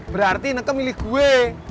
berarti ineke milih gue